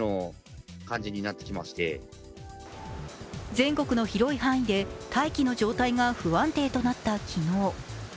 全国の広い範囲で待機の状態が不安定となった昨日。